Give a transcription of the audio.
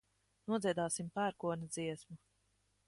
Nodziedāsim pērkona dziesmu.